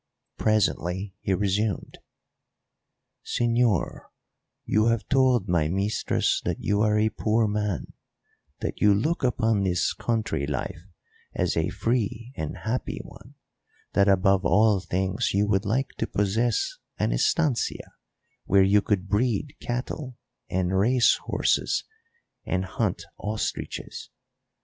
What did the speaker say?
Presently he resumed: "Señor, you have told my mistress that you are a poor man; that you look upon this country life as a free and happy one; that above all things you would like to possess an estancia where you could breed cattle and race horses and hunt ostriches.